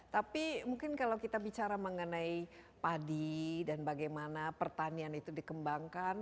tapi mungkin kalau kita bicara mengenai padi dan bagaimana pertanian itu dikembangkan